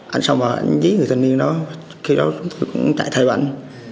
anh xong rồi anh dí người thanh niên đó khi đó tôi cũng chạy theo anh